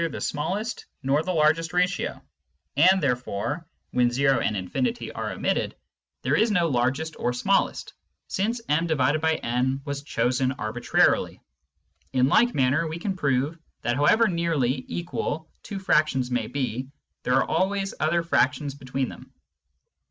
5 66 Introduction to Mathematical Philosophy nor the largest ratio, and therefore (when zero and infinity are omitted) there is no smallest or largest, since m/n was chosen arbitrarily. In like manner we can prove that however nearly equal two fractions may be, there are always other fractions between them.